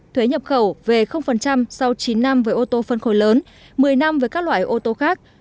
thuế nhập khẩu về sau chín năm với ô tô phân khối lớn một mươi năm với các loại ô tô khác